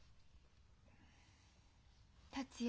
達也。